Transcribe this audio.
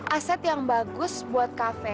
aset yang bagus buat kafe